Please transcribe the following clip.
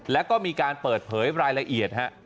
แล้วก็มีการเปิดเผยรายละเอียดฮะ